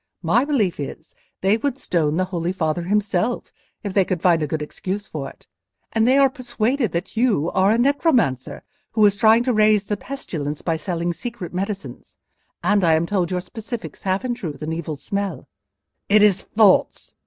My belief is, they would stone the Holy Father himself, if they could find a good excuse for it; and they are persuaded that you are a necromancer, who is trying to raise the pestilence by selling secret medicines—and I am told your specifics have in truth an evil smell." "It is false!"